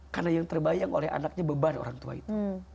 karena yang terbayang oleh anaknya beban orang tua itu